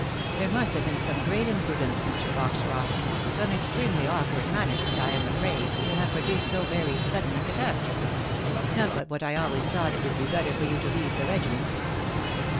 There must have been some great imprudence, Mr. Foxcroffc — some extremely awkward management, I am afraid, to have produced so very sudden a catastrophe ; not but what I always thought it would be better for you to leave the regiment.